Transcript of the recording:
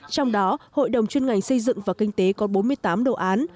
trong đó hội đồng chuyên ngành xây dựng và kinh tế có bốn mươi tám đồ án